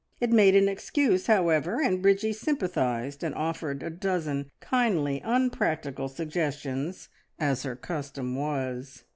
It made an excuse, however, and Bridgie sympathised and offered a dozen kindly, unpractical suggestions as her custom was.